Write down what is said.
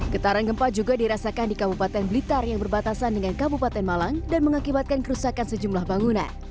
getaran gempa juga dirasakan di kabupaten blitar yang berbatasan dengan kabupaten malang dan mengakibatkan kerusakan sejumlah bangunan